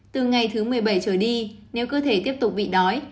từ ngày thứ một mươi bảy trở đi nếu cơ thể tiếp tục dùng glicogen